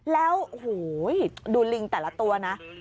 แล้วโอ้โหดูลิงแต่ละตัวนะ